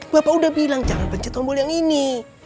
bapak udah bilang jangan benci tombol yang ini